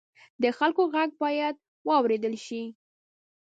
د خلکو غږ باید واورېدل شي.